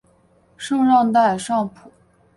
圣让代尚普。